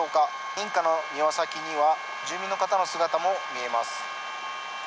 民家の庭先には住民の方の姿も見えます。